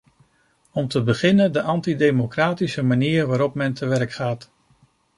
Om te beginnen de antidemocratische manier waarop men te werk gaat.